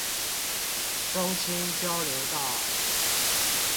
中清交流道